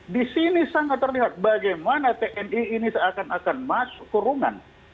di sini sangat terlihat bagaimana tni ini seakan akan masuk ke ruangan